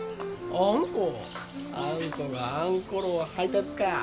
あんこがあんころを配達か。